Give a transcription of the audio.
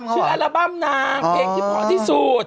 ชื่ออัลบั้มน่าเพลงที่พอที่สุด